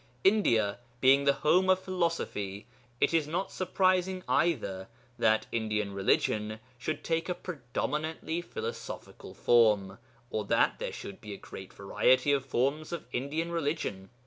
India being the home of philosophy, it is not surprising either that Indian religion should take a predominantly philosophical form, or that there should be a great variety of forms of Indian religion.